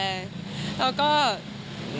คุณพ่อคุณแม่ก็ช่วยดูแล